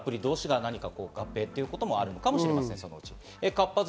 アプリ同士が合併ということもあるかもしれません。